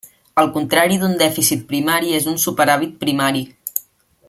El contrari d'un dèficit primari és un superàvit primari.